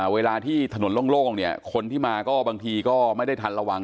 เวลาที่ถนนโล่งเนี่ยคนที่มาก็บางทีก็ไม่ได้ทันระวัง